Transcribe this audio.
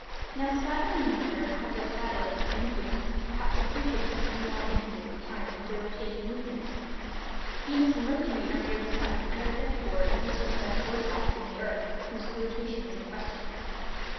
Now, Saturn and Jupiter have their satellites to influence (perhaps appreciably in long intervals of time) their rotation movements. Venus and Mercury are near the sun, and are therefore in this respect worse off than the earth, whose rotation is in question.